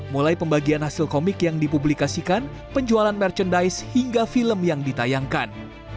mulai pembagian hasil komik yang dipublikasikan penjualan merchandise hingga film yang ditayangkan